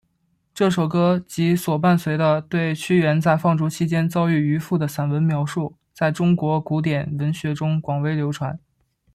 这首歌及所伴随的对屈原在放逐期间遭遇渔父的散文描述在中国古典文学中广为流传。